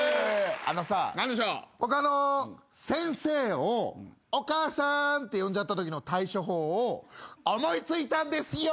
僕先生をお母さんって呼んじゃったときの対処法を思い付いたんですよ。